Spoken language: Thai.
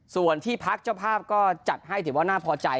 ส่วนที่พักเจ้าภาพก็จัดให้ถือว่าน่าพอใจ